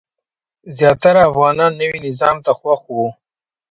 زیاتره افغانان نوي نظام ته خوښ وو.